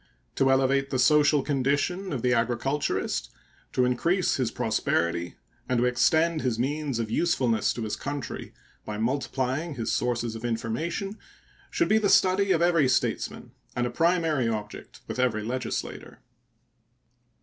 To elevate the social condition of the agriculturist, to increase his prosperity, and to extend his means of usefulness to his country, by multiplying his sources of information, should be the study of every statesman and a primary object with every legislator.